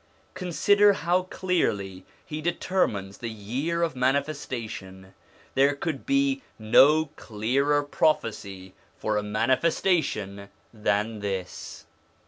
Consider how clearly he determines the year of manifestation; there could be no clearer prophecy for a manifestation than this.